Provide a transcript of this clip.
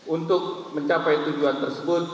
untuk mencapai tujuan tersebut